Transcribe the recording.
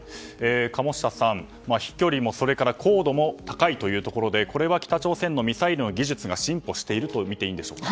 鴨下さん、飛距離も高度も高いというところでこれは北朝鮮のミサイルの技術が進歩しているとみていいんでしょうか。